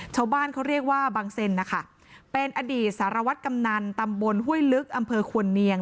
ชาวบ้านเขาเรียกว่าบังเซนนะคะเป็นอดีตสารวัตรกำนันตำบลห้วยลึกอำเภอควรเนียง